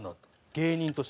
芸人として。